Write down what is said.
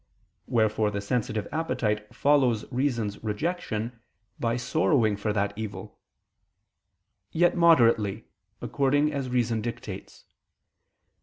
Wherefore the sensitive appetite follows reason's rejection by sorrowing for that evil; yet moderately, according as reason dictates.